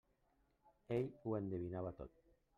Ell ho endevinava tot.